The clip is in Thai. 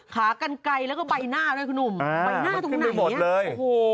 ขากันไกลแล้วก็ใบหน้าด้วยคุณหนุ่มใบหน้าตรงไหนเนี่ย